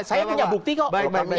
saya punya bukti kok